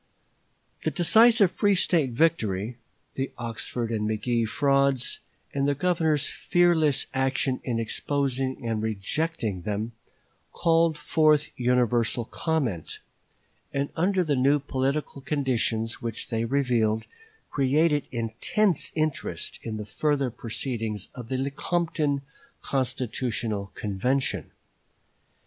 The decisive free State victory, the Oxford and McGee frauds, and the Governor's fearless action in exposing and rejecting them, called forth universal comment; and under the new political conditions which they revealed, created intense interest in the further proceedings of the Lecompton Constitutional Convention.